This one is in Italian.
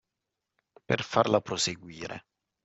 Per farla proseguire